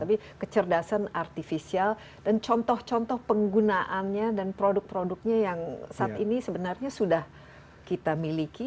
tapi kecerdasan artifisial dan contoh contoh penggunaannya dan produk produknya yang saat ini sebenarnya sudah kita miliki